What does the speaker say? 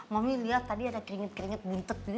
mami lihat tadi ada keringet keringet buntet